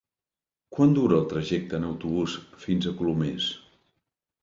Quant dura el trajecte en autobús fins a Colomers?